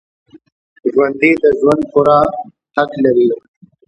ژوندي د ژوند پوره حق لري